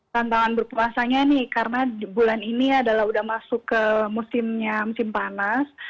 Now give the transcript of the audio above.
tantangan berpuasanya nih karena bulan ini adalah sudah masuk ke musim panas